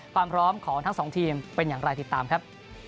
ความพร้อมของทั้งสองทีมเป็นอย่างไรติดตามครับ